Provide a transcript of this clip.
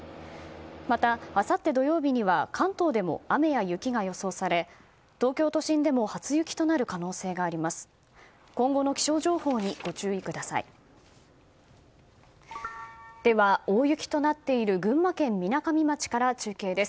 また、あさって土曜日には関東でも雨や雪が予想され東京都心でも初雪となる可能性があります。